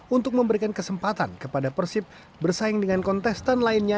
untuk memberikan kesempatan kepada persib bersaing dengan kontestan lainnya